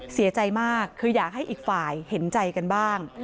เสียใจมากคืออยากให้อีกฝ่ายเห็นใจกันบ้าง